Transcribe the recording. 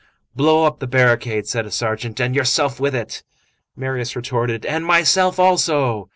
"Blow up the barricade!" said a sergeant, "and yourself with it!" Marius retorted: "And myself also."